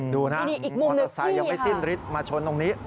ดูนะมอเตอร์ไซค์ยังไม่สิ้นฤทธิมาชนตรงนี้